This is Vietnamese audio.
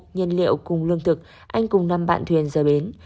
nhân liệu cùng lương thực anh cùng năm bạn thuyền rời bến